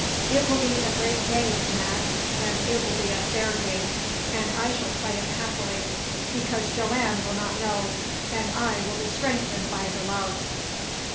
It will be a great game, Mac and it will be a fair game; and I shall play it happily, because Joanne will not know, and I will be strengthened by her love.